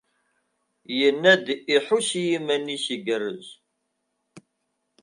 Yenna-d iḥuss i yiman-is igerrez.